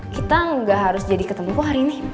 kita gak harus jadi ketemu kok hari ini